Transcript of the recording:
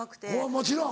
もちろん。